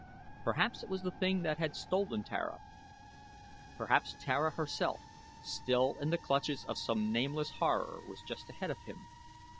Perhaps it was the thing that had stolen Tara. Perhaps Tara herself, still in the clutches of some nameless horror, was just ahead of him.